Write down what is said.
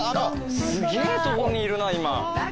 すげえとこにいるな今。